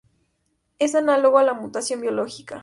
Es análogo a la mutación biológica.